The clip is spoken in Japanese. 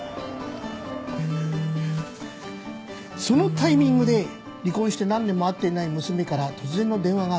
そのタイミングで離婚して何年も会っていない娘から突然の電話があった。